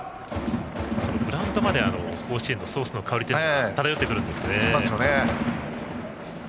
グラウンドまで甲子園球場はソースの香りというのが漂ってくるんですね。